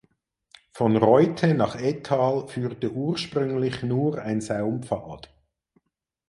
Von Reutte nach Ettal führte ursprünglich nur ein Saumpfad.